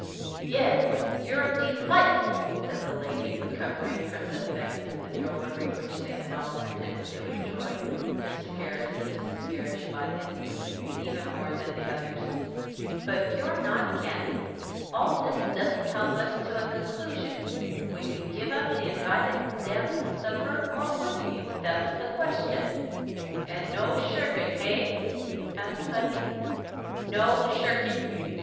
"Yes, you're delightful," said the lady, recovering from the effects of the drollery which they had all pretended to enjoy, Mr. Gerrish, and Mrs. Gerrish by his leave, even more than the others. "But you're not candid. All this doesn't help us to a conclusion. Would you give up the invited dance and supper, or wouldn't you? That's the question." "And no shirking, hey?" asked Putney. "No shirking."